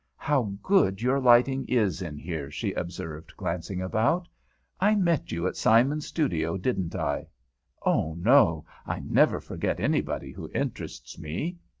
"How good your lighting is in here," she observed, glancing about. "I met you at Simon's studio, didn't I? Oh, no! I never forget anybody who interests me."